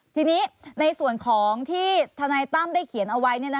ทีนี้ในส่วนของที่ทนายตั้มได้เขียนเอาไว้